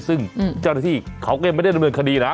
ซึ่งเจ้าหน้าที่เขาก็ยังไม่ได้ดำเนินคดีนะ